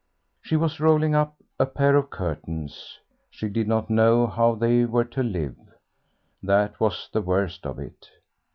She was rolling up a pair of curtains. She did not know how they were to live, that was the worst of it.